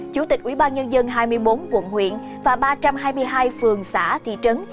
chủ tịch ủy ban nhân dân hai mươi bốn quận huyện và ba trăm hai mươi hai phường xã thị trấn